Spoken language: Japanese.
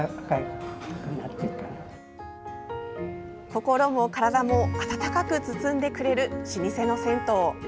心も体も温かく包んでくれる老舗の銭湯。